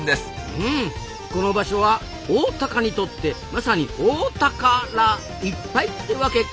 うんこの場所はオオタカにとってまさにお宝いっぱいってワケか。